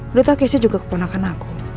udah tau casey juga keponakan aku